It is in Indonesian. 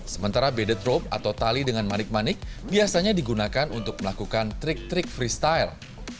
sementara bede drop atau tali dengan manik manik biasanya digunakan untuk melakukan trik trik freestyle